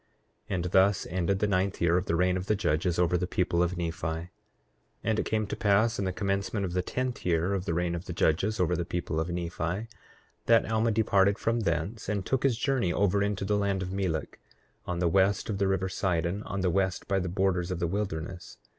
8:2 And thus ended the ninth year of the reign of the judges over the people of Nephi. 8:3 And it came to pass in the commencement of the tenth year of the reign of the judges over the people of Nephi, that Alma departed from thence and took his journey over into the land of Melek, on the west of the river Sidon, on the west by the borders of the wilderness.